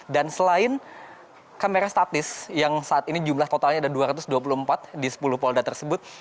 dan selain kamera statis yang saat ini jumlah totalnya ada dua ratus dua puluh empat di sepuluh polda tersebut